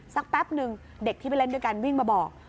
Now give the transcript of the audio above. แป๊บนึงเด็กที่ไปเล่นด้วยกันวิ่งมาบอก